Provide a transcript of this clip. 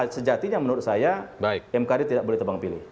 sejatinya menurut saya mkd tidak boleh tebang pilih